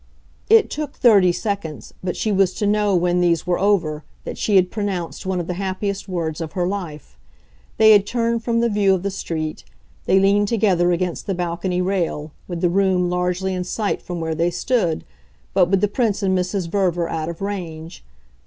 It took thirty seconds, but she was to know when these were over that she had pronounced one of the happiest words of her life. They had turned from the view of the street; they leaned together against the balcony rail, with the room largely in sight from where they stood, but with the Prince and Mrs. Verver out of range.